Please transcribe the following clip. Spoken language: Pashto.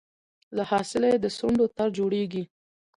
له حاصله یې د سونډو تار جوړیږي